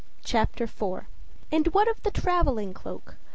CHAPTER IV And what of the traveling cloak?